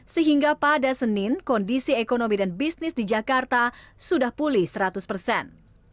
sehingga pada senin kondisi ekonomi dan bisnis di jakarta sudah pulih seratus persen